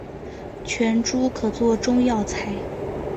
全株可做中药材。